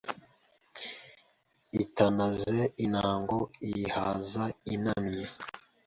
Itanaze intango iyihaza intamyi